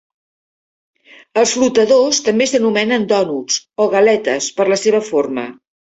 Els flotadors també s'anomenen "dònuts" o "galetes" per la seva forma.